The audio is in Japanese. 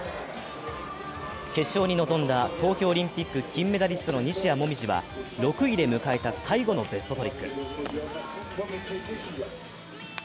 決勝に臨んだ東京オリンピック金メダリストの西矢椛は６位で迎えた最後のベストトリック。